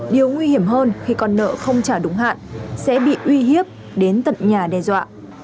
điều nguy hiểm hơn khi con nợ không trả đúng hạn sẽ bị uy hiếp đến tận nhà đe dọa